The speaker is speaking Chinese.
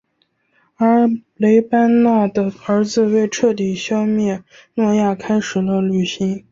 而雷班纳的儿子为彻底消灭诺亚开始了旅行。